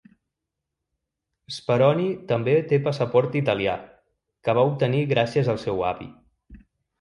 Speroni també té passaport italià, que va obtenir gràcies al seu avi.